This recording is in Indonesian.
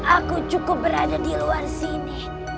aku cukup berada di luar sini